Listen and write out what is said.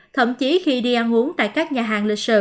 thậm chí khi đi ăn uống tại các nhà hàng lịch sử